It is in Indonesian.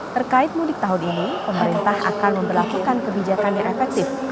terkait mudik tahun ini pemerintah akan memperlakukan kebijakan yang efektif